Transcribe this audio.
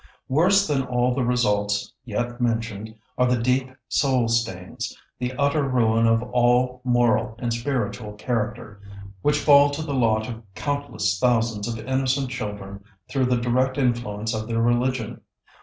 ] Worse than all the results yet mentioned are the deep soul stains, the utter ruin of all moral and spiritual character, which fall to the lot of countless thousands of innocent children through the direct influence of their religion.